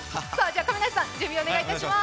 亀梨さん、準備をお願いいたします。